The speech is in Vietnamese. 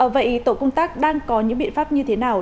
vậy tổ công tác đang có những biện pháp như thế nào